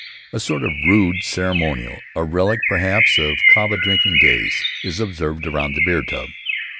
A sort of rude ceremonial — a relic, perhaps, of kava drinking days — is observed around the beer tub.